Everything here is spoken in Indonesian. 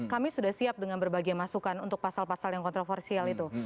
kami sudah siap dengan berbagai masukan untuk pasal pasal yang kontroversial itu